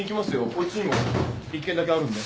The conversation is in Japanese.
こっちにも１件だけあるんで。